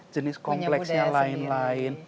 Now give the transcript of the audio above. jenis kompleksnya lain lain